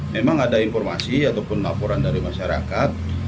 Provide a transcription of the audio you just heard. memang ada informasi ataupun laporan dari masyarakat